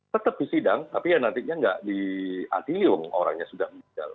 tetap disidang tapi ya nantinya nggak diadiliung orangnya sudah meninggal